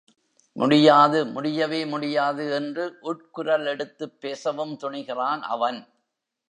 முடியாது முடியவே முடியாது! என்று உட்குரல் எடுத்துப் பேசவும் துணிகிறான் அவன்.